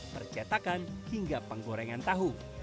percetakan hingga penggorengan tahu